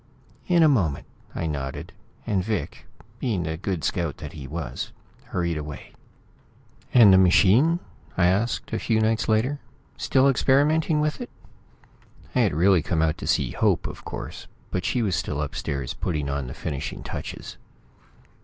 "In a moment," I nodded, and Vic, being the good scout he was, hurried away. "And the machine?" I asked a few nights later. "Still experimenting with it?" I had really come out to see Hope, of course, but she was still upstairs, putting on the finishing touches.